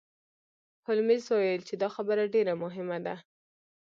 هولمز وویل چې دا خبره ډیره مهمه ده.